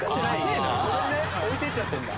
ごめんね置いてっちゃってんだ